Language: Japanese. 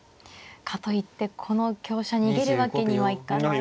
かといってこの香車逃げるわけにはいかないですよね。